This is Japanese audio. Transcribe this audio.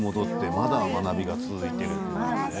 まだ学びが続いている。